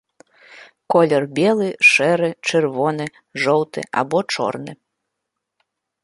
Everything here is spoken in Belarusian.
Колер белы, шэры, чырвоны, жоўты або чорны.